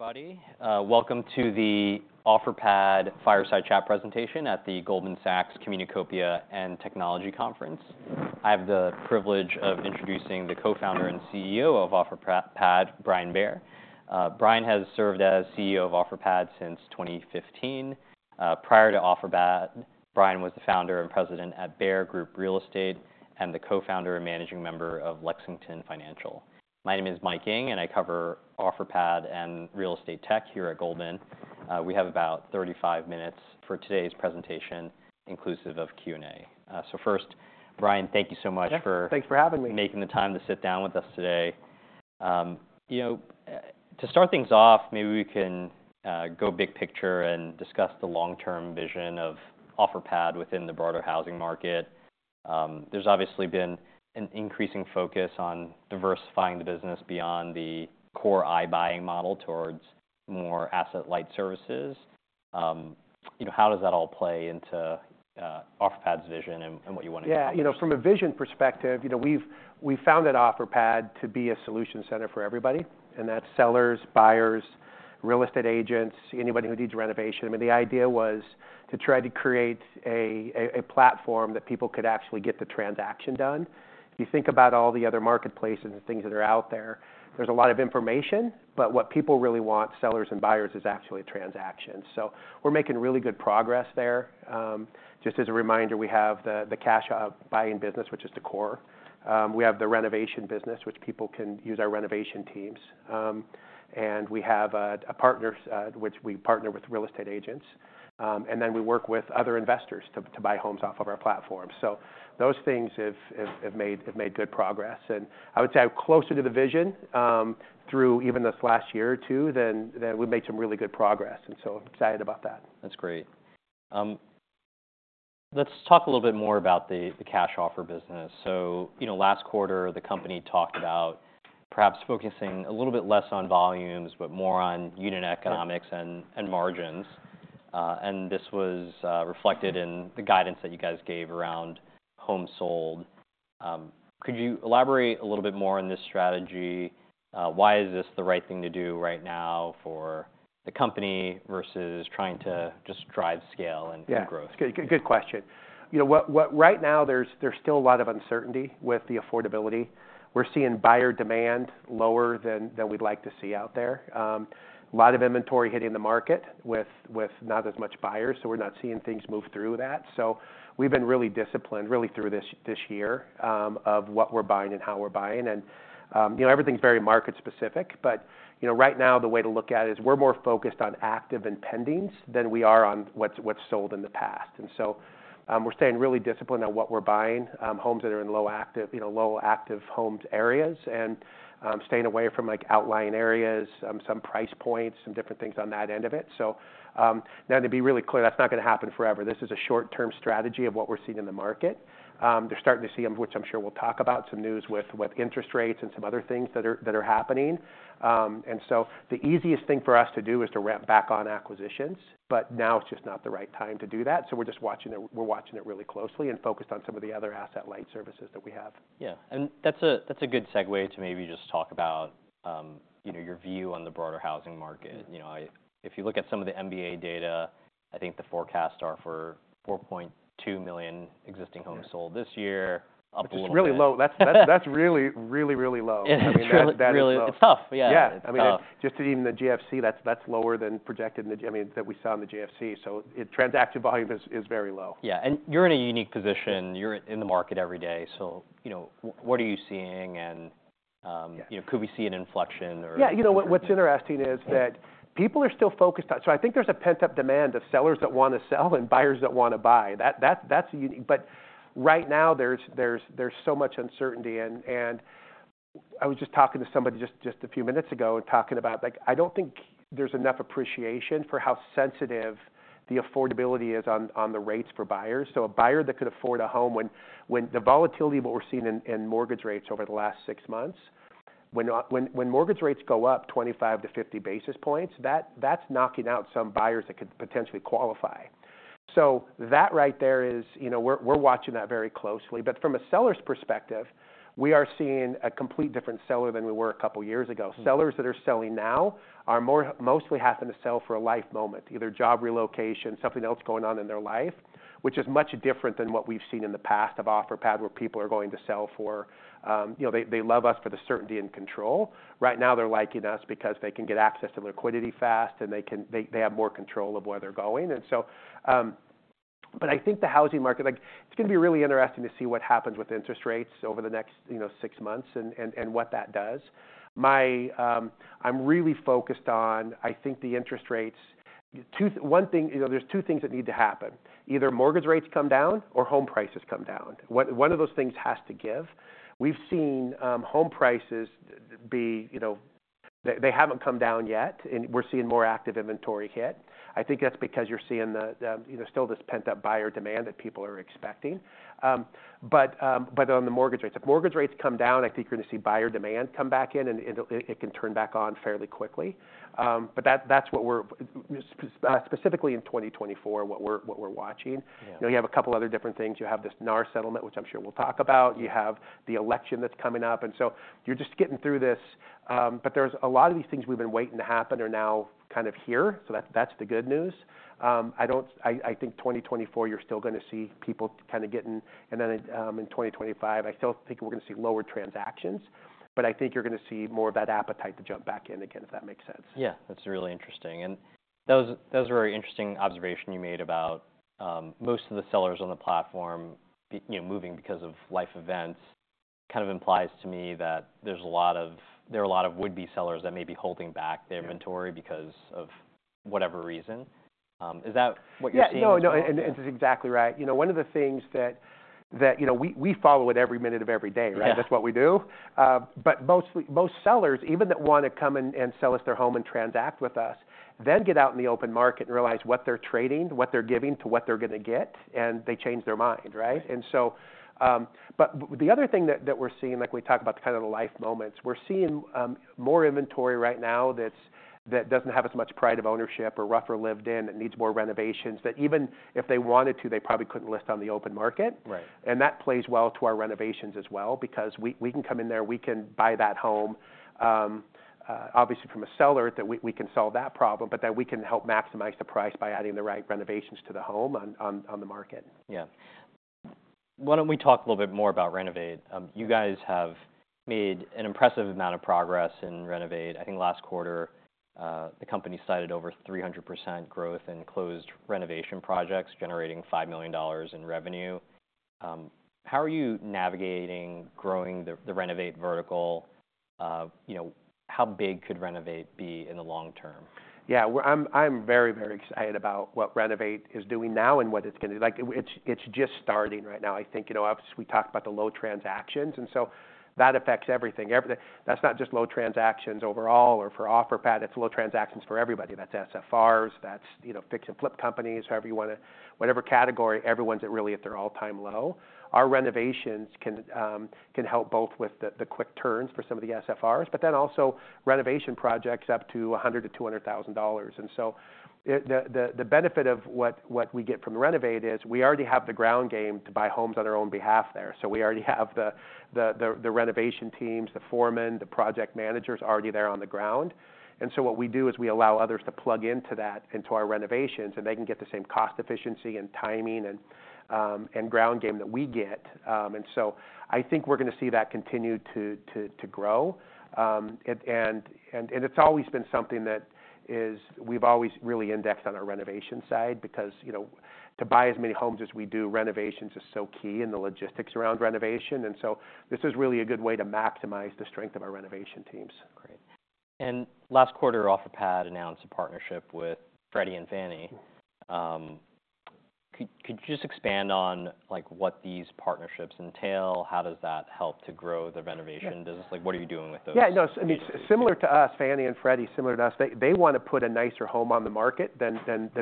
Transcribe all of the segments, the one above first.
Everybody, welcome to the Offerpad Fireside Chat presentation at the Goldman Sachs Communacopia and Technology Conference. I have the privilege of introducing the Co-Founder and CEO of Offerpad, Brian Bair. Brian has served as CEO of Offerpad since 2015. Prior to Offerpad, Brian was the founder and president at Bair Group Real Estate, and the Co-Founder and Managing Member of Lexington Financial. My name is Mike Ng, and I cover Offerpad and real estate tech here at Goldman. We have about thirty-five minutes for today's presentation, inclusive of Q&A. So first, Brian, thank you so much for- Yeah, thanks for having me. - making the time to sit down with us today. You know, to start things off, maybe we can go big picture and discuss the long-term vision of Offerpad within the broader housing market. There's obviously been an increasing focus on diversifying the business beyond the core iBuying model towards more asset-light services. You know, how does that all play into Offerpad's vision and what you want to achieve? Yeah, you know, from a vision perspective, you know, we've founded Offerpad to be a solution center for everybody, and that's sellers, buyers, real estate agents, anybody who needs renovation. I mean, the idea was to try to create a platform that people could actually get the transaction done. If you think about all the other marketplaces and things that are out there, there's a lot of information, but what people really want, sellers and buyers, is actually transactions. So we're making really good progress there. Just as a reminder, we have the cash buying business, which is the core. We have the renovation business, which people can use our renovation teams, and we have a partners which we partner with real estate agents, and then we work with other investors to buy homes off of our platform. Those things have made good progress. I would say I'm closer to the vision through even this last year or two, than... We've made some really good progress, and so I'm excited about that. That's great. Let's talk a little bit more about the cash offer business. So, you know, last quarter, the company talked about perhaps focusing a little bit less on volumes, but more on unit economics. Yeah... and margins, and this was reflected in the guidance that you guys gave around homes sold. Could you elaborate a little bit more on this strategy? Why is this the right thing to do right now for the company versus trying to just drive scale and- Yeah - and growth? Good, good, good question. You know, right now, there's still a lot of uncertainty with the affordability. We're seeing buyer demand lower than we'd like to see out there. A lot of inventory hitting the market with not as much buyers, so we're not seeing things move through that. So we've been really disciplined, really through this year, of what we're buying and how we're buying. And, you know, everything's very market specific, but, you know, right now the way to look at it is we're more focused on active and pendings than we are on what's sold in the past. And so, we're staying really disciplined on what we're buying, homes that are in low active, you know, low active homes areas, and staying away from, like, outlying areas, some price points, some different things on that end of it. So, now to be really clear, that's not going to happen forever. This is a short-term strategy of what we're seeing in the market. They're starting to see, which I'm sure we'll talk about, some news with interest rates and some other things that are happening. And so the easiest thing for us to do is to ramp back on acquisitions, but now it's just not the right time to do that, so we're just watching it really closely and focused on some of the other asset-light services that we have. Yeah. And that's a good segue to maybe just talk about, you know, your view on the broader housing market. Mm-hmm. You know, if you look at some of the MBA data, I think the forecasts are for 4.2 million existing homes. Yeah sold this year, up a little bit. Which is really low. That's really, really, really low. It's really- I mean, that is low. It's tough, yeah. Yeah. It's tough. I mean, just even the GFC, that's lower than projected in the... I mean, than we saw in the GFC. So, transaction volume is very low. Yeah, and you're in a unique position. You're in the market every day, so, you know, what are you seeing? And, Yeah... could we see an inflection or a different- Yeah, you know, what's interesting is that people are still focused on so I think there's a pent-up demand of sellers that wanna sell and buyers that wanna buy. That's unique. But right now there's so much uncertainty and I was just talking to somebody just a few minutes ago and talking about, like, I don't think there's enough appreciation for how sensitive the affordability is on the rates for buyers. So a buyer that could afford a home when the volatility of what we're seeing in mortgage rates over the last six months, when mortgage rates go up 25-50 basis points, that's knocking out some buyers that could potentially qualify. So that right there is... You know, we're watching that very closely. But from a seller's perspective, we are seeing a complete different seller than we were a couple years ago. Mm. Sellers that are selling now are mostly happening to sell for a life moment, either job relocation, something else going on in their life, which is much different than what we've seen in the past of Offerpad, where people are going to sell for. You know, they love us for the certainty and control. Right now, they're liking us because they can get access to liquidity fast, and they have more control of where they're going. And so, but I think the housing market, like, it's gonna be really interesting to see what happens with interest rates over the next, you know, six months and what that does. I'm really focused on, I think the interest rates. You know, there's two things that need to happen: either mortgage rates come down or home prices come down. One of those things has to give. We've seen home prices, you know, they haven't come down yet, and we're seeing more active inventory hit. I think that's because you're seeing still this pent-up buyer demand that people are expecting. But on the mortgage rates, if mortgage rates come down, I think you're gonna see buyer demand come back in, and it can turn back on fairly quickly. But that's what we're specifically watching in 2024. Yeah. You know, you have a couple other different things. You have this NAR settlement, which I'm sure we'll talk about. Yeah. You have the election that's coming up, and so you're just getting through this. But there's a lot of these things we've been waiting to happen are now kind of here, so that's the good news. I think 2024, you're still gonna see people kind of getting... Then, in 2025, I still think we're gonna see lower transactions, but I think you're gonna see more of that appetite to jump back in again, if that makes sense. Yeah, that's really interesting. And that was a very interesting observation you made about most of the sellers on the platform, you know, moving because of life events. Kind of implies to me that there's a lot of- there are a lot of would-be sellers that may be holding back their inventory- Yeah... because of whatever reason. Is that what you're seeing as well? Yeah. No, no, and this is exactly right. You know, one of the things that you know, we follow it every minute of every day, right? Yeah. That's what we do, but mostly, most sellers, even that want to come and sell us their home and transact with us, then get out in the open market and realize what they're trading, what they're giving to what they're gonna get, and they change their mind, right? Right. The other thing that we're seeing, like we talked about the kind of the life moments, we're seeing more inventory right now that doesn't have as much pride of ownership or rougher lived in, that needs more renovations. That even if they wanted to, they probably couldn't list on the open market. Right。That plays well to our renovations as well, because we can come in there, we can buy that home, obviously from a seller, that we can solve that problem, but that we can help maximize the price by adding the right renovations to the home on the market. Yeah. Why don't we talk a little bit more about Renovate? You guys have made an impressive amount of progress in Renovate. I think last quarter, the company cited over 300% growth in closed renovation projects, generating $5 million in revenue. How are you navigating growing the, the Renovate vertical? You know, how big could Renovate be in the long term? Yeah, well, I'm very excited about what Renovate is doing now and what it's gonna. Like, it's just starting right now. I think, you know, obviously, we talked about the low transactions, and so that affects everything. That's not just low transactions overall or for Offerpad, it's low transactions for everybody. That's SFRs, that's, you know, fix and flip companies, however you wanna. Whatever category, everyone's really at their all-time low. Our renovations can help both with the quick turns for some of the SFRs, but then also renovation projects up to $100,000-$200,000. And so the benefit of what we get from Renovate is, we already have the ground game to buy homes on our own behalf there. So we already have the renovation teams, the foremen, the project managers already there on the ground. And so what we do is we allow others to plug into that, into our renovations, and they can get the same cost efficiency and timing and ground game that we get. And so I think we're gonna see that continue to grow. And it's always been something we've always really indexed on our renovation side, because, you know, to buy as many homes as we do, renovations are so key and the logistics around renovation. And so this is really a good way to maximize the strength of our renovation teams. Great. And last quarter, Offerpad announced a partnership with Freddie and Fannie. Mm. Could you just expand on, like, what these partnerships entail? How does that help to grow the renovation- Yeah... business? Like, what are you doing with those? Yeah, no, I mean, similar to us, Fannie and Freddie, similar to us, they wanna put a nicer home on the market than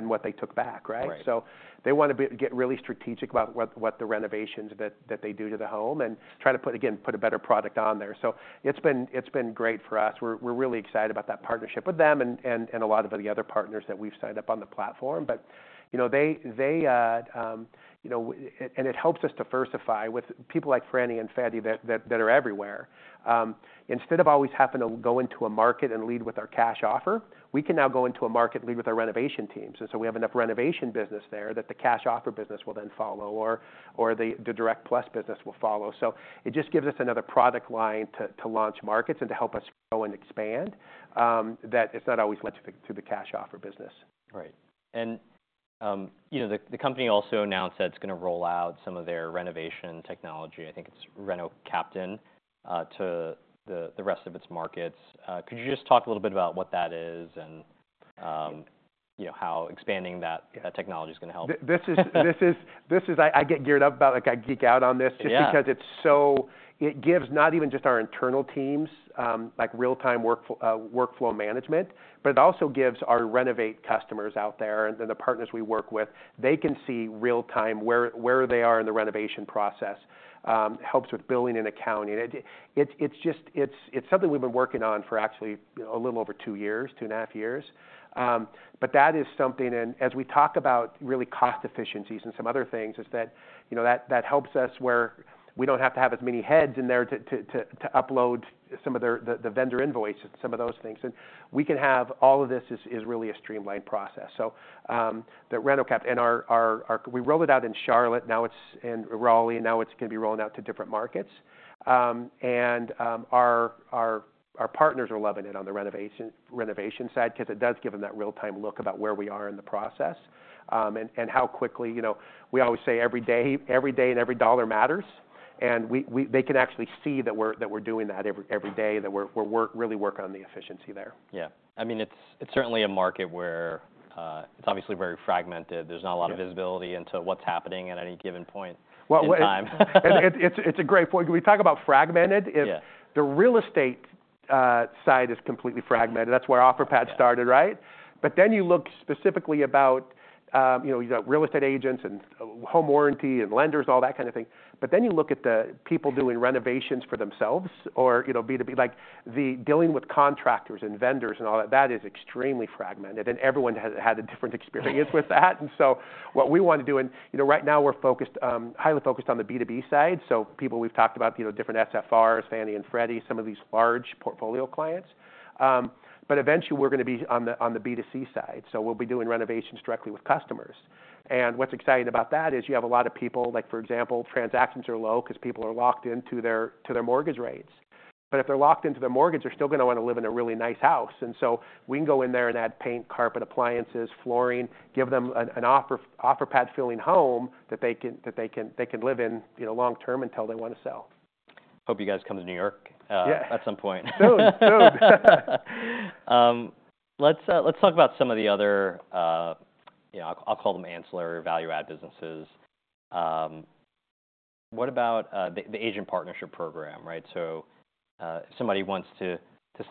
what they took back, right? Right. So they want to get really strategic about what the renovations that they do to the home and try to put again a better product on there. So it's been great for us. We're really excited about that partnership with them and a lot of the other partners that we've signed up on the platform. But you know they... And it helps us diversify with people like Freddie and Fannie that are everywhere. Instead of always having to go into a market and lead with our cash offer, we can now go into a market and lead with our renovation teams. And so we have enough renovation business there that the cash offer business will then follow, or the Direct Plus business will follow. So it just gives us another product line to launch markets and to help us grow and expand, that it's not always linked to the cash offer business. Right. And, you know, the company also announced that it's gonna roll out some of their renovation technology, I think it's Reno Captain, to the rest of its markets. Could you just talk a little bit about what that is and, you know, how expanding that- Yeah... that technology is gonna help? I get geared up about, like, I geek out on this. Yeah... just because it's so it gives not even just our internal teams, like real-time workflow management, but it also gives our Renovate customers out there and then the partners we work with, they can see real time where they are in the renovation process. Helps with billing and accounting. It's just something we've been working on for actually, you know, a little over two years, two and a half years. But that is something, and as we talk about really cost efficiencies and some other things, is that, you know, that helps us where we don't have to have as many heads in there to upload some of their, the vendor invoices, some of those things. And we can have all of this is really a streamlined process. The Reno Captain, and our we rolled it out in Charlotte, now it's in Raleigh, now it's gonna be rolled out to different markets. And our partners are loving it on the renovation side, 'cause it does give them that real-time look about where we are in the process, and how quickly. You know, we always say every day and every dollar matters, and they can actually see that we're doing that every day, that we're really working on the efficiency there. Yeah. I mean, it's, it's certainly a market where it's obviously very fragmented. Yeah. There's not a lot of visibility into what's happening at any given point- Well, well-... in time. It's a great point. Can we talk about fragmented? Yeah. If the real estate side is completely fragmented. That's where Offerpad started, right? But then you look specifically about, you know, you got real estate agents and home warranty and lenders, all that kind of thing. But then you look at the people doing renovations for themselves, or, you know, B2B, like the dealing with contractors and vendors and all that, that is extremely fragmented, and everyone has had a different experience with that. And so what we want to do, and, you know, right now we're focused, highly focused on the B2B side. So people we've talked about, you know, different SFRs, Fannie and Freddie, some of these large portfolio clients. But eventually we're going to be on the, on the B2C side, so we'll be doing renovations directly with customers. And what's exciting about that is you have a lot of people, like, for example, transactions are low because people are locked into their mortgage rates. But if they're locked into their mortgage, they're still going to want to live in a really nice house. And so we can go in there and add paint, carpet, appliances, flooring, give them an Offerpad-feeling home that they can live in, you know, long term until they want to sell. Hope you guys come to New York. Yeah ... at some point. Soon. Soon. Let's talk about some of the other, you know, I call them ancillary value add businesses. What about the Agent Partnership Program, right? So, somebody wants to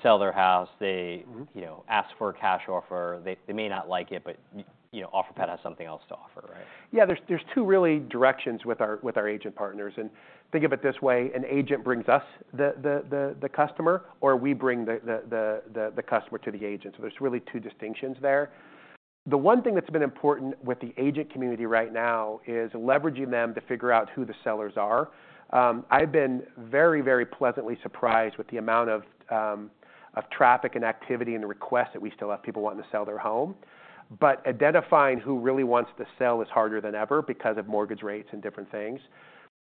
sell their house, they, you know, ask for a cash offer. They may not like it, but, you know, Offerpad has something else to offer, right? Yeah, there's two really directions with our agent partners. And think of it this way, an agent brings us the customer, or we bring the customer to the agent. So there's really two distinctions there. The one thing that's been important with the agent community right now is leveraging them to figure out who the sellers are. I've been very, very pleasantly surprised with the amount of traffic and activity and the requests that we still have people wanting to sell their home. But identifying who really wants to sell is harder than ever because of mortgage rates and different things.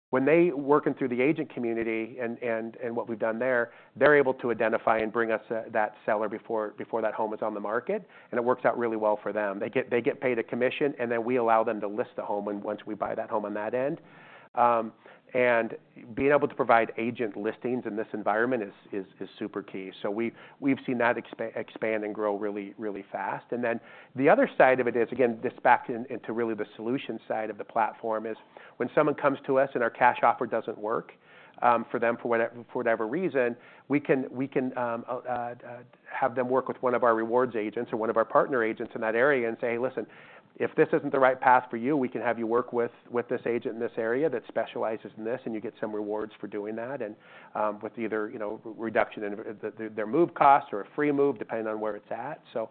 When they working through the agent community and what we've done there, they're able to identify and bring us that seller before that home is on the market, and it works out really well for them. They get paid a commission, and then we allow them to list the home and once we buy that home on that end, and being able to provide agent listings in this environment is super key, so we've seen that expand and grow really, really fast. Then the other side of it is, again, this back into really the solution side of the platform. It is when someone comes to us and our cash offer doesn't work for them, for whatever reason. We can have them work with one of our Rewards agents or one of our partner agents in that area and say, "Listen, if this isn't the right path for you, we can have you work with this agent in this area that specializes in this, and you get some rewards for doing that." And with either, you know, reduction in their move costs or a free move, depending on where it's at. So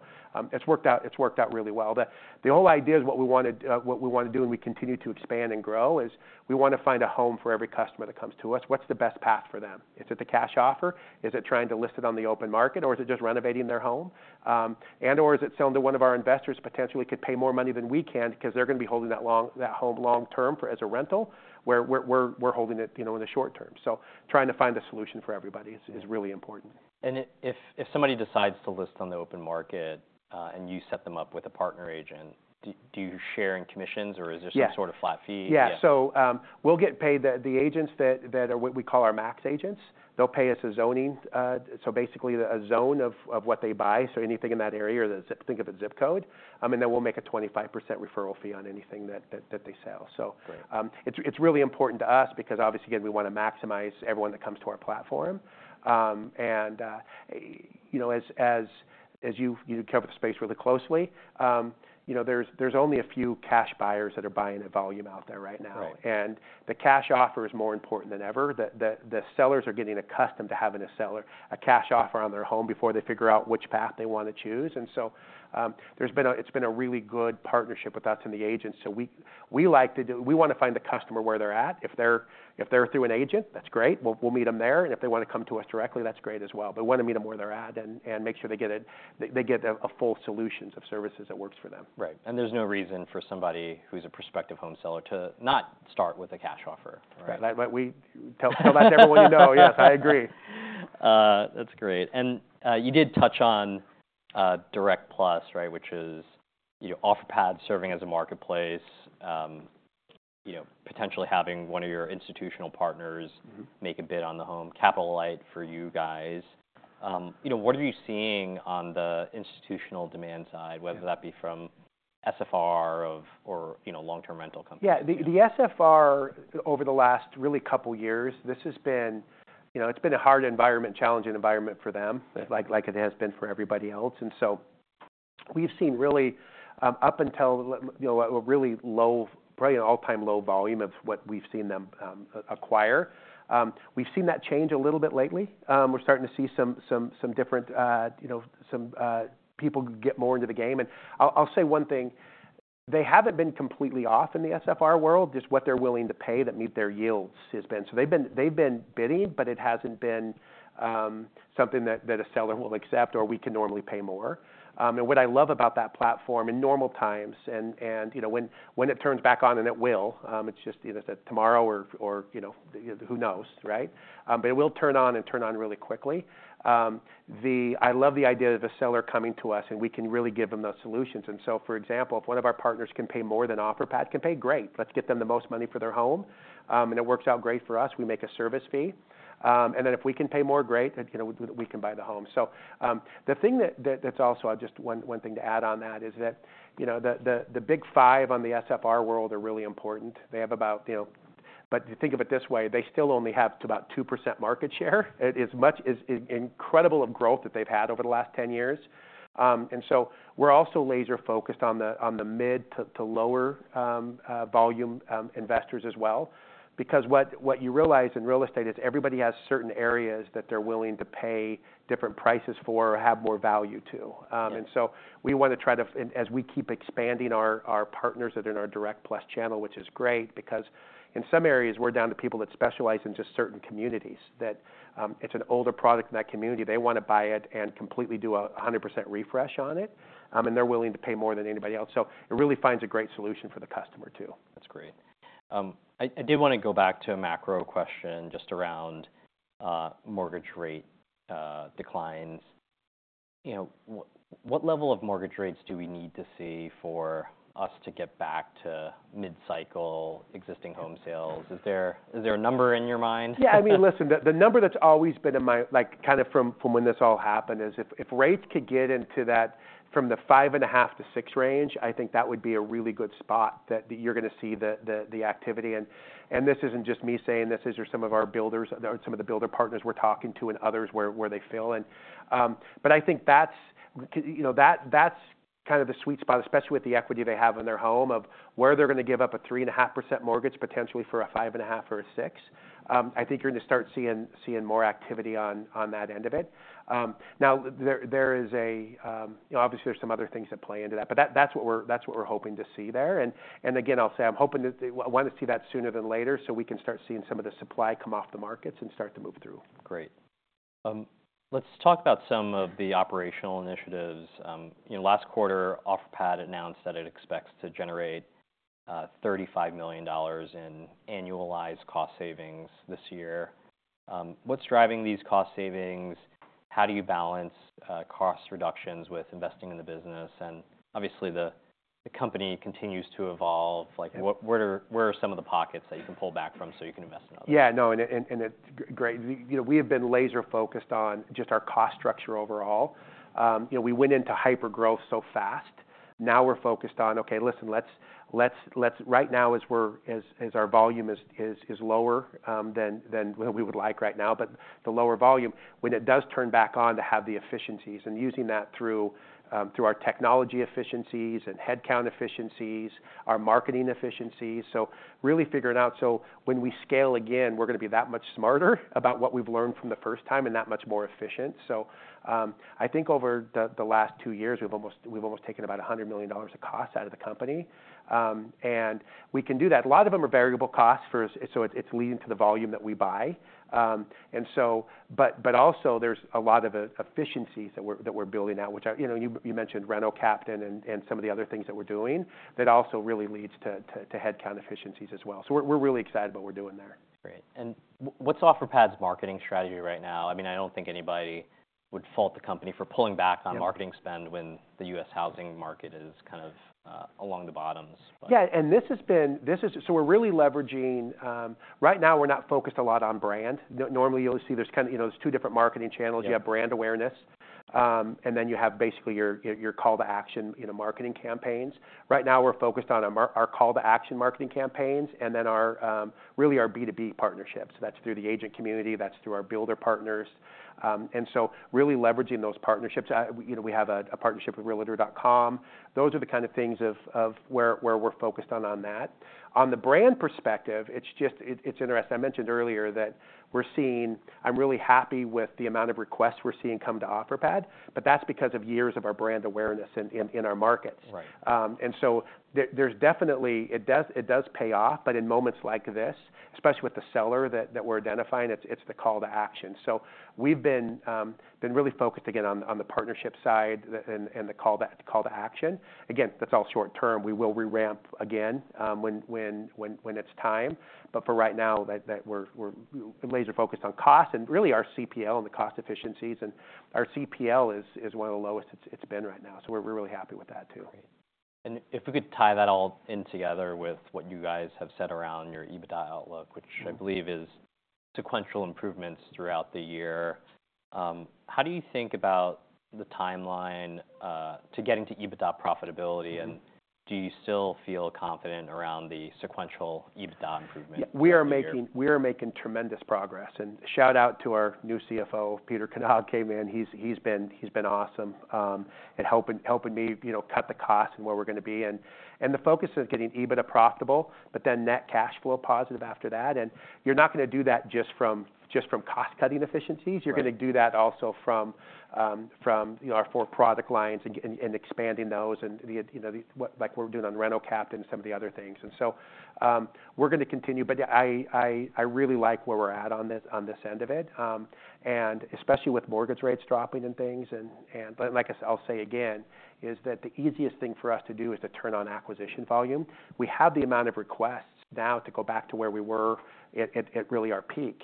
it's worked out really well. The whole idea is what we wanted. What we want to do and we continue to expand and grow, is we want to find a home for every customer that comes to us. What's the best path for them? Is it the cash offer? Is it trying to list it on the open market, or is it just renovating their home? And/or is it selling to one of our investors who potentially could pay more money than we can because they're going to be holding that home long term as a rental, where we're holding it, you know, in the short term. So trying to find a solution for everybody is really important. If somebody decides to list on the open market, and you set them up with a partner agent, do you share in commissions, or is there- Yeah... some sort of flat fee? Yeah. Yeah. So, we'll get paid the agents that are what we call our Max agents, they'll pay us a zoning. So basically a zone of what they buy, so anything in that area, or the zip, think of a zip code. And then we'll make a 25% referral fee on anything that they sell. So- Great... it's really important to us because obviously, again, we want to maximize everyone that comes to our platform, and you know, as you cover the space really closely, you know, there's only a few cash buyers that are buying in volume out there right now. Right. And the cash offer is more important than ever. The sellers are getting accustomed to having a cash offer on their home before they figure out which path they want to choose. And so, it's been a really good partnership with us and the agents. So we want to find the customer where they're at. If they're through an agent, that's great, we'll meet them there. And if they want to come to us directly, that's great as well. But we want to meet them where they're at and make sure they get a full solutions of services that works for them. Right. And there's no reason for somebody who's a prospective home seller to not start with a cash offer, right? Tell that to everyone you know. Yes, I agree. That's great. And, you did touch on Direct Plus, right? Which is, you know, Offerpad serving as a marketplace, you know, potentially having one of your institutional partners- Mm-hmm... make a bid on the home. Capital light for you guys. You know, what are you seeing on the institutional demand side- Yeah... whether that be from SFR, or you know, long-term rental companies? Yeah, the SFR over the last really couple of years, this has been, you know, it's been a hard environment, challenging environment for them. Yeah... like it has been for everybody else. And so we've seen really, up until, you know, a really low, probably an all-time low volume of what we've seen them acquire. We've seen that change a little bit lately. We're starting to see some different, you know, some people get more into the game. And I'll say one thing: they haven't been completely off in the SFR world, just what they're willing to pay that meet their yields has been. So they've been bidding, but it hasn't been something that a seller will accept or we can normally pay more. And what I love about that platform in normal times, and you know, when it turns back on, and it will, it's just, you know, tomorrow or you know, who knows, right? But it will turn on and turn on really quickly. I love the idea of the seller coming to us, and we can really give them those solutions. And so, for example, if one of our partners can pay more than Offerpad can pay, great! Let's get them the most money for their home. And it works out great for us. We make a service fee. And then if we can pay more, great, you know, we can buy the home. So, the thing that's also just one thing to add on that is that, you know, the big five in the SFR world are really important. They have about, but if you think of it this way, they still only have about 2% market share. It's an incredible amount of growth that they've had over the last 10 years. And so we're also laser focused on the mid- to lower-volume investors as well. Because what you realize in real estate is everybody has certain areas that they're willing to pay different prices for or have more value to. Yeah. And so we wanna try to, and as we keep expanding our partners that are in our Direct Plus channel, which is great, because in some areas, we're down to people that specialize in just certain communities, that it's an older product in that community. They wanna buy it and completely do a 100% refresh on it. And they're willing to pay more than anybody else. So it really finds a great solution for the customer, too. That's great. I did wanna go back to a macro question just around mortgage rate declines. You know, what level of mortgage rates do we need to see for us to get back to mid-cycle existing home sales? Is there a number in your mind? Yeah. I mean, listen, the number that's always been in my... Like, kind of from when this all happened, is if rates could get into that 5.5%-6% range, I think that would be a really good spot, that you're gonna see the activity. And this isn't just me saying this, these are some of our builders, or some of the builder partners we're talking to and others where they feel. But I think that's you know, that's kind of the sweet spot, especially with the equity they have in their home, of where they're gonna give up a 3.5% mortgage, potentially for a 5.5% or a 6%. I think you're gonna start seeing more activity on that end of it. Now, there is a... You know, obviously, there's some other things that play into that, but that's what we're hoping to see there. And again, I'll say, I'm hoping that I wanna see that sooner than later, so we can start seeing some of the supply come off the markets and start to move through. Great. Let's talk about some of the operational initiatives. You know, last quarter, Offerpad announced that it expects to generate $35 million in annualized cost savings this year. What's driving these cost savings? How do you balance cost reductions with investing in the business? And obviously, the company continues to evolve. Yeah. Like, what, where are some of the pockets that you can pull back from so you can invest in others? Yeah, no, and it great. You know, we have been laser focused on just our cost structure overall. You know, we went into hypergrowth so fast, now we're focused on, okay, listen, let's right now, as our volume is lower than what we would like right now. But the lower volume, when it does turn back on, to have the efficiencies and using that through our technology efficiencies and headcount efficiencies, our marketing efficiencies. So really figuring out, so when we scale again, we're gonna be that much smarter about what we've learned from the first time and that much more efficient. So, I think over the last two years, we've almost taken about $100 million of cost out of the company. And we can do that. A lot of them are variable costs for... So it's leading to the volume that we buy. And so, but also there's a lot of efficiencies that we're building out, which... You know, you mentioned Reno Captain and some of the other things that we're doing, that also really leads to headcount efficiencies as well. So we're really excited about what we're doing there. Great. And what's Offerpad's marketing strategy right now? I mean, I don't think anybody would fault the company for pulling back- Yeah... on marketing spend when the U.S. housing market is kind of along the bottoms, but. Yeah, and this has been- this is. So we're really leveraging. Right now, we're not focused a lot on brand. Normally, you'll see there's kind of, you know, there's two different marketing channels. Yeah. You have brand awareness, and then you have basically your call to action in a marketing campaigns. Right now, we're focused on our call to action marketing campaigns, and then really our B2B partnerships. That's through the agent community, that's through our builder partners. And so really leveraging those partnerships. You know, we have a partnership with Realtor.com. Those are the kind of things of where we're focused on that. On the brand perspective, it's just, it's interesting. I mentioned earlier that we're seeing. I'm really happy with the amount of requests we're seeing come to Offerpad, but that's because of years of our brand awareness in our markets. Right. And so there's definitely... It does pay off, but in moments like this, especially with the seller that we're identifying, it's the call to action. So we've been really focused again on the partnership side and the call to action. Again, that's all short term. We will re-ramp again when it's time. But for right now, that we're laser focused on cost and really our CPL and the cost efficiencies, and our CPL is one of the lowest it's been right now. So we're really happy with that, too. Great. And if we could tie that all in together with what you guys have said around your EBITDA outlook- Mm-hmm... which I believe is sequential improvements throughout the year, how do you think about the timeline to getting to EBITDA profitability? Mm-hmm. Do you still feel confident around the sequential EBITDA improvement? Yeah, we are making tremendous progress. And shout out to our new CFO, Peter Knag came in. He's been awesome in helping me, you know, cut the cost and where we're gonna be. And the focus is getting EBITDA profitable, but then net cash flow positive after that. And you're not gonna do that just from cost-cutting efficiencies. Right. You're gonna do that also from, you know, our four product lines and expanding those, and the, you know, these, like we're doing on Reno Captain and some of the other things. And so, we're gonna continue. But yeah, I really like where we're at on this, on this end of it. And especially with mortgage rates dropping and things, and. But like I'll say again, is that the easiest thing for us to do is to turn on acquisition volume. We have the amount of requests now to go back to where we were at really our peak.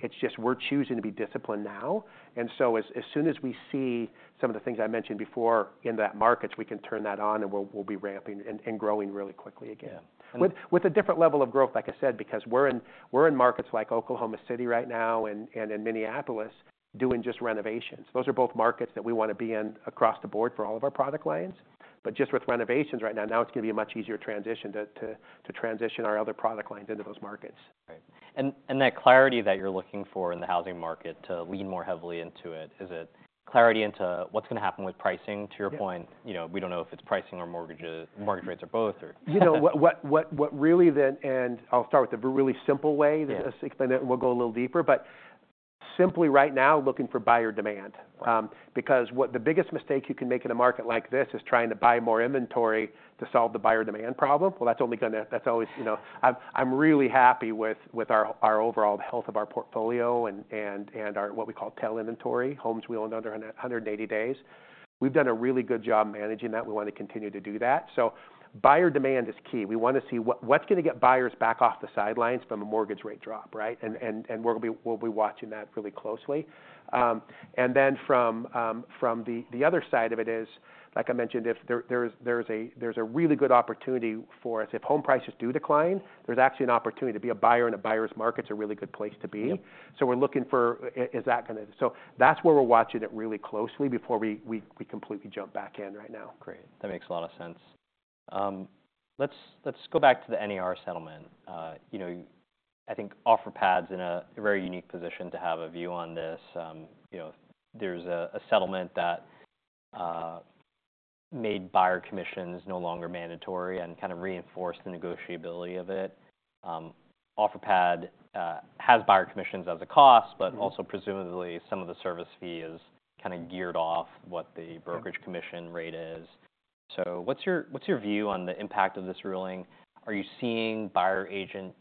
It's just we're choosing to be disciplined now. And so as soon as we see some of the things I mentioned before in the markets, we can turn that on, and we'll be ramping and growing really quickly again. Yeah. With a different level of growth, like I said, because we're in markets like Oklahoma City right now and in Minneapolis, doing just renovations. Those are both markets that we wanna be in across the board for all of our product lines. But just with renovations right now, it's gonna be a much easier transition to transition our other product lines into those markets. Right. And that clarity that you're looking for in the housing market to lean more heavily into it, is it clarity into what's gonna happen with pricing? Yeah. To your point, you know, we don't know if it's pricing or mortgages- Mm... mortgage rates, or both, or You know, what really then, and I'll start with the really simple way- Yeah... to explain it, and we'll go a little deeper, but simply right now, looking for buyer demand. Right. Because what the biggest mistake you can make in a market like this is trying to buy more inventory to solve the buyer demand problem. Well, that's only gonna... That's always, you know... I'm really happy with our overall health of our portfolio and our what we call tail inventory, homes we own under a hundred and eighty days. We've done a really good job managing that. We want to continue to do that. So buyer demand is key. We wanna see what's gonna get buyers back off the sidelines from a mortgage rate drop, right? Yeah. We'll be watching that really closely. From the other side of it, like I mentioned, there's a really good opportunity for us. If home prices do decline, there's actually an opportunity to be a buyer, and a buyer's market's a really good place to be. Yeah. So we're looking for... So that's where we're watching it really closely before we completely jump back in right now. Great. That makes a lot of sense. Let's go back to the NAR settlement. You know, I think Offerpad's in a very unique position to have a view on this. You know, there's a settlement that made buyer commissions no longer mandatory and kind of reinforced the negotiability of it. Offerpad has buyer commissions as a cost- Mm... but also presumably, some of the service fee is kind of geared off what the- Yeah... brokerage commission rate is. So what's your view on the impact of this ruling? Are you seeing buyer agent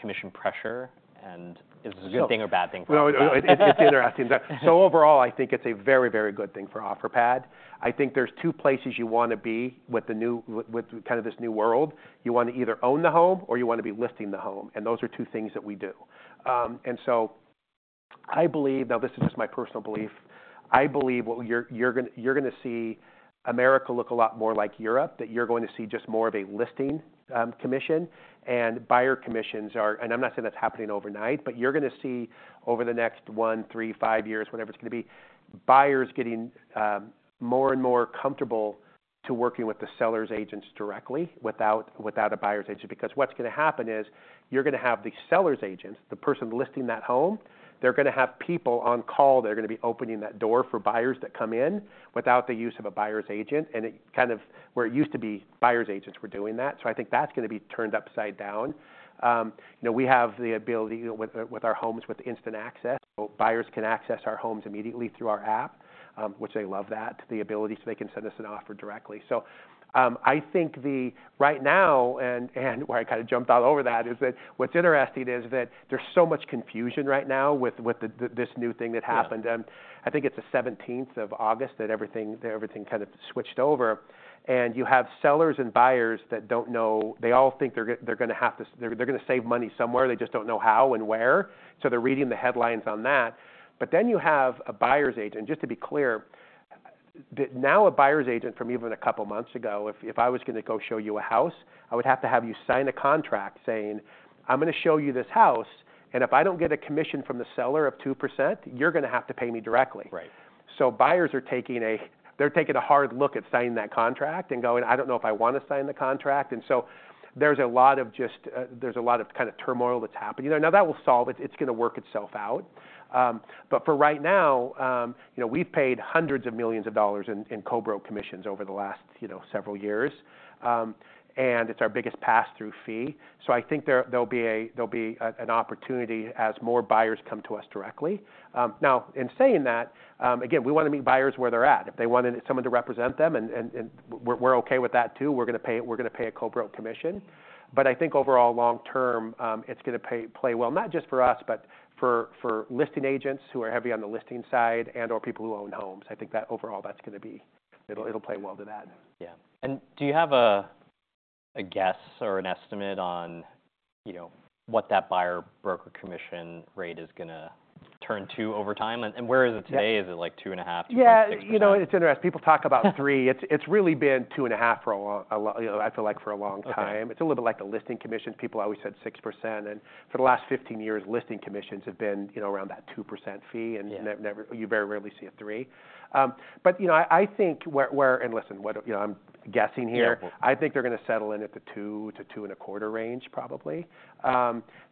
commission pressure, and is this- So-... a good thing or a bad thing for Offerpad? No, it's interesting. So overall, I think it's a very, very good thing for Offerpad. I think there's two places you wanna be with the new, with kind of this new world. You want to either own the home or you wanna be listing the home, and those are two things that we do. And so I believe, now this is just my personal belief, I believe what you're gonna see America look a lot more like Europe, that you're going to see just more of a listing commission. And buyer commissions are... And I'm not saying that's happening overnight, but you're gonna see over the next one, three, five years, whatever it's gonna be, buyers getting more and more comfortable to working with the seller's agents directly, without a buyer's agent. Because what's gonna happen is, you're gonna have the seller's agent, the person listing that home. They're gonna have people on call that are gonna be opening that door for buyers that come in without the use of a buyer's agent, and it's kind of where it used to be buyer's agents were doing that. So I think that's gonna be turned upside down. You know, we have the ability with our homes with instant access, so buyers can access our homes immediately through our app. Which they love that, the ability, so they can send us an offer directly. So, I think that's right now, and where I kind of jumped all over that, is that what's interesting is that there's so much confusion right now with this new thing that happened. Yeah. I think it's the 17th of August that everything kind of switched over. And you have sellers and buyers that don't know, they all think they're gonna have to... They're gonna save money somewhere, they just don't know how and where. So they're reading the headlines on that. But then you have a buyer's agent, just to be clear, now, a buyer's agent from even a couple of months ago, if I was gonna go show you a house, I would have to have you sign a contract saying, "I'm gonna show you this house, and if I don't get a commission from the seller of 2%, you're gonna have to pay me directly. Right. So buyers are taking a hard look at signing that contract and going, "I don't know if I want to sign the contract," and so there's a lot of just kind of turmoil that's happening. Now, that will solve it. It's gonna work itself out, but for right now, you know, we've paid hundreds of millions of dollars in Co-Bro commissions over the last, you know, several years, and it's our biggest pass-through fee, so I think there'll be an opportunity as more buyers come to us directly. Now, in saying that, again, we wanna meet buyers where they're at. If they wanted someone to represent them, and we're okay with that too. We're gonna pay a Co-Bro commission. But I think overall, long term, it's gonna play well, not just for us, but for, for listing agents who are heavy on the listing side and/or people who own homes. I think that overall, that's gonna be- Yeah. It'll play well to that. Yeah. And do you have a guess or an estimate on, you know, what that buyer broker commission rate is gonna turn to over time? And where is it today? Yeah. Is it, like, 2.5%, 2.6%? Yeah, you know, it's interesting. People talk about three. It's really been two and a half for a long time, you know. I feel like for a long time. Okay. It's a little bit like the listing commissions. People always said 6%, and for the last 15 years, listing commissions have been, you know, around that 2% fee. Yeah. And never, you very rarely see a three. But you know, I think where, and listen, what, you know, I'm guessing here. Yeah. I think they're gonna settle in at the 2%-2.25% range, probably.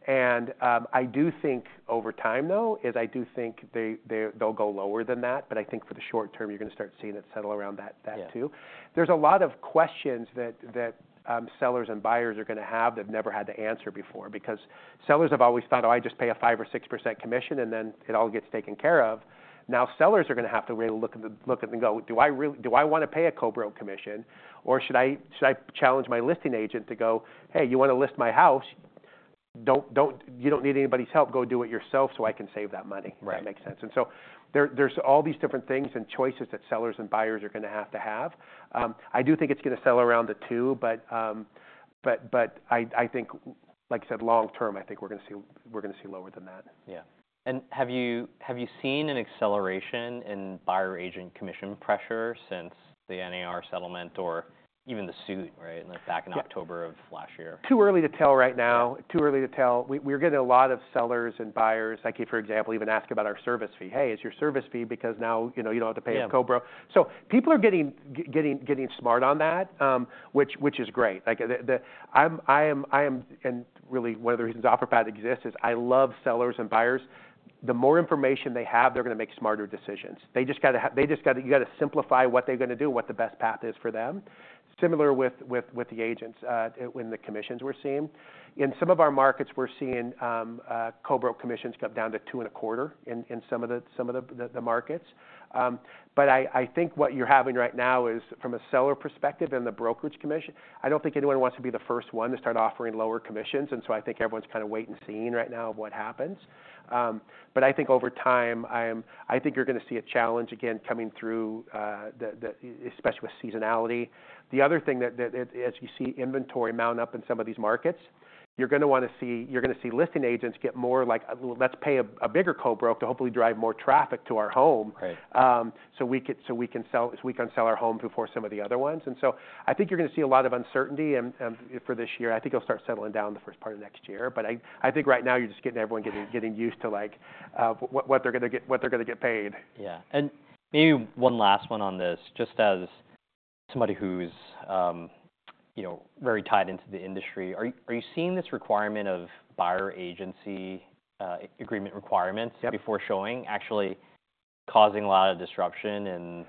I do think over time, though, I do think they'll go lower than that, but I think for the short term, you're gonna start seeing it settle around that too. Yeah. There's a lot of questions that sellers and buyers are gonna have, they've never had to answer before. Because sellers have always thought, "Oh, I just pay a five or six% commission, and then it all gets taken care of." Now, sellers are gonna have to really look at it and go, "Do I really wanna pay a co-bro commission, or should I challenge my listing agent to go, 'Hey, you wanna list my house? You don't need anybody's help. Go do it yourself so I can save that money?' Right. If that makes sense. And so there, there's all these different things and choices that sellers and buyers are gonna have to have. I do think it's gonna settle around the two, but I think, like I said, long term, I think we're gonna see lower than that. Yeah. And have you seen an acceleration in buyer agent commission pressure since the NAR settlement or even the suit, right, like, back- Yeah in October of last year? Too early to tell right now. Yeah. Too early to tell. We're getting a lot of sellers and buyers, like, for example, even ask about our service fee, "Hey, is your service fee because now, you know, you don't have to pay- Yeah a co-bro?" So people are getting smart on that, which is great. Like, the... I am. And really one of the reasons Offerpad exists is I love sellers and buyers. The more information they have, they're gonna make smarter decisions. They just gotta you gotta simplify what they're gonna do, what the best path is for them. Similar with the agents, when the commissions we're seeing. In some of our markets, we're seeing co-bro commissions drop down to two and a quarter in some of the markets. But I think what you're having right now is, from a seller perspective and the brokerage commission, I don't think anyone wants to be the first one to start offering lower commissions, and so I think everyone's kind of wait and seeing right now of what happens. But I think over time, I think you're gonna see a challenge again coming through, especially with seasonality. The other thing that, as you see inventory mounting up in some of these markets, you're gonna see listing agents get more, like, "Well, let's pay a bigger co-bro to hopefully drive more traffic to our home. Right so we can sell our home before some of the other ones." And so I think you're gonna see a lot of uncertainty for this year. I think it'll start settling down the first part of next year. But I think right now you're just getting everyone getting used to, like, what they're gonna get, what they're gonna get paid. Yeah. And maybe one last one on this. Just as somebody who's, you know, very tied into the industry, are you seeing this requirement of buyer agency agreement requirements? Yep -before showing actually causing a lot of disruption in,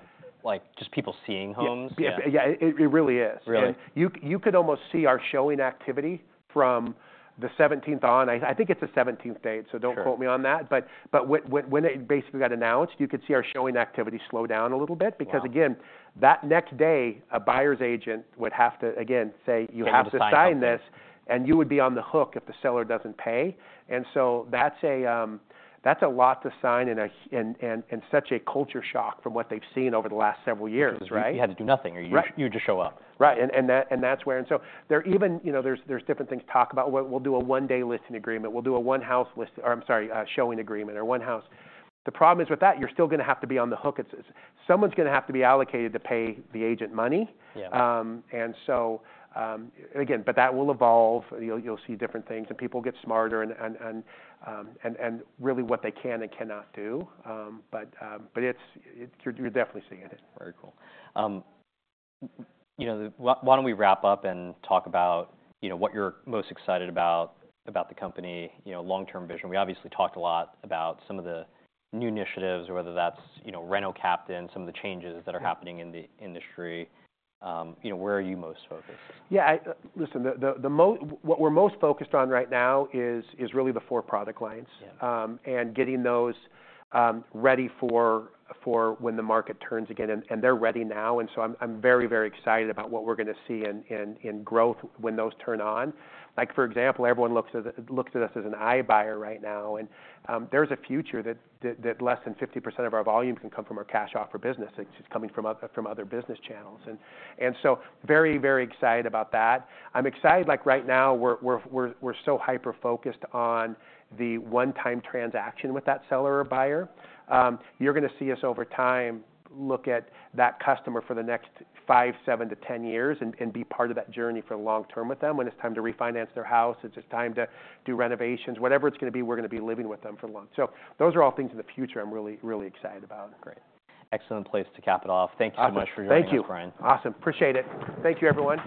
like, just people seeing homes? Yeah. Yeah, it really is. Really? You could almost see our showing activity from the 17th on. I think it's the 17th date, so don't- Sure... quote me on that. But when it basically got announced, you could see our showing activity slow down a little bit. Wow! Because, again, that next day, a buyer's agent would have to, again, say, "You have to- Sign something... sign this, and you would be on the hook if the seller doesn't pay." And so that's a lot to sign and such a culture shock from what they've seen over the last several years, right? Because you had to do nothing- Right... you just show up. Right. And that's where. And so there are even, you know, there's different things to talk about. We'll do a one-day listing agreement. We'll do a one-house listing. Or I'm sorry, showing agreement or one house. The problem is, with that, you're still gonna have to be on the hook. It's someone's gonna have to be allocated to pay the agent money. Yeah. And so, again, but that will evolve. You'll see different things, and people get smarter and really what they can and cannot do. But it's. You're definitely seeing it. Very cool. You know, why don't we wrap up and talk about, you know, what you're most excited about the company, you know, long-term vision. We obviously talked a lot about some of the new initiatives, whether that's, you know, Reno Captain, some of the changes that are happening- Yeah... in the industry. You know, where are you most focused? Yeah, listen, what we're most focused on right now is really the four product lines. Yeah. And getting those ready for when the market turns again. And they're ready now, and so I'm very, very excited about what we're gonna see in growth when those turn on. Like, for example, everyone looks at us as an iBuyer right now, and there's a future that less than 50% of our volume can come from our cash offer business. It's just coming from other business channels. And so very, very excited about that. I'm excited, like right now, we're so hyper-focused on the one-time transaction with that seller or buyer. You're gonna see us over time look at that customer for the next five, seven to 10 years, and be part of that journey for the long term with them. When it's time to refinance their house, it's just time to do renovations. Whatever it's gonna be, we're gonna be living with them for long, so those are all things in the future I'm really, really excited about. Great. Excellent place to cap it off. Awesome. Thank you so much for joining us, Brian. Thank you. Awesome. Appreciate it. Thank you, everyone.